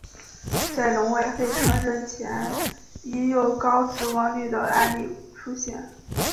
在农委会承认前已有高死亡率的案例出现。